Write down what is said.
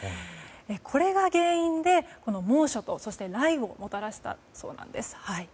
これが原因で猛暑と雷雨をもたらしたそうなんです。